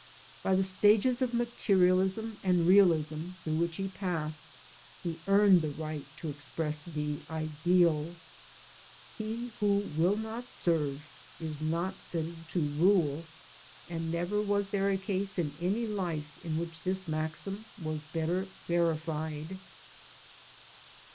By the stages of materialism and realism, through which he passed, he ejimed the right to express the ideal. He who will not serve is not fitted to rule, and never was there a case in any life in which this maxim was better verified.